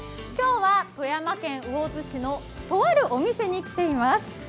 今日は富山県魚津市のとあるお店に来ています。